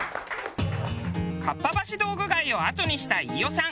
かっぱ橋道具街を後にした飯尾さん。